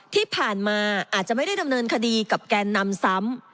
ที่ผ่านมาอาจจะไม่ได้ดำเนินคดีกับแกนนำซ้ำ